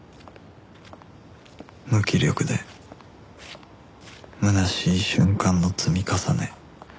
無気力でむなしい瞬間の積み重ね